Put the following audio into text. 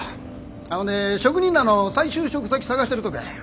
あっほんで職人らの再就職先探してるとこや。